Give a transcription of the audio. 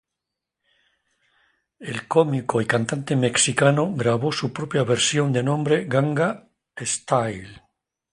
El cómico y cantante mexicano grabó su propia versión de nombre "Ganga style".